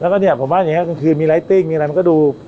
แล้วก็เนี่ยผมว่าอย่างนี้กลางคืนมีไรติ้งมีอะไรมันก็ดู